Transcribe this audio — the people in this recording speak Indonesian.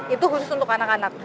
itu khusus untuk anak anak